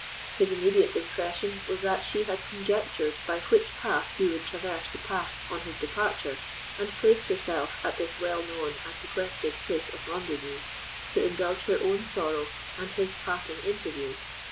His immediate impression was that she had conjectured by which path he would traverse the park on his departure, and placed herself at this well known and sequestered place of rendezvous, to indulge her own sorrow and his parting interview.